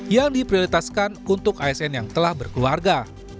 yang diprioritaskan untuk asn yang telah berkeluarga